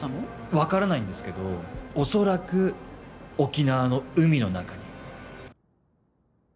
わからないんですけど恐らく沖縄の海の中に。